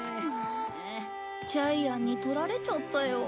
ジャイアンに取られちゃったよ。